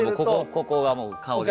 ここがもう顔で。